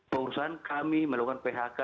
perusahaan kami melakukan phk